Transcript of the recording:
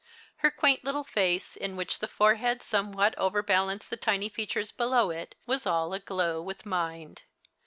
Her quaint little lace, in ^^hich the forehead somewhat overbalanced the tiny features below it, was all aglow with mind.